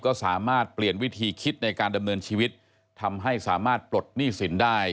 ก็สามารถเปลี่ยนวิธีคิดในการดำเนินชีวิตทำให้สามารถปลดหนี้สินได้